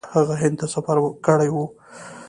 هغه هند ته سفر کړی و.